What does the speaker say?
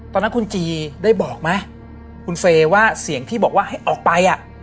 ตอนนั้นคุณจีได้บอกไหมคุณเฟย์ว่าเสียงที่บอกว่าให้ออกไปอ่ะ